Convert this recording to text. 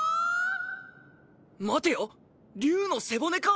待てよ竜の背骨か？